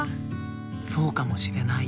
そうかもしれない。